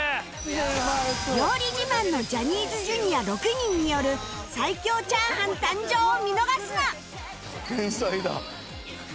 料理自慢のジャニーズ Ｊｒ．６ 人による最強炒飯誕生を見逃すな！